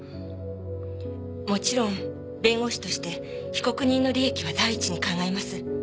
もちろん弁護士として被告人の利益は第一に考えます。